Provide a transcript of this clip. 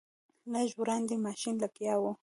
لږ وړاندې ماشین لګیا و.